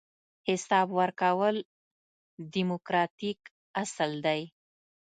حساب ورکول دیموکراتیک اصل دی.